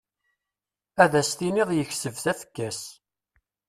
Ad as-tiniḍ yekseb tafekka-s.